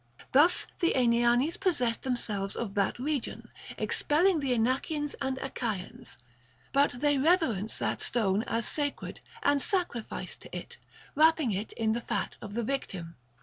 Thus the Aenianes possessed themselves of that region, expelling the Inachians and Achaeans ; but they reverence that stone as sacred, and sacrifice to it, THE GREEK QUESTIONS. 271 wrapping it in the fat of the victim.